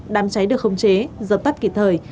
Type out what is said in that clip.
đám cháy được không chế dập tắt kịp thời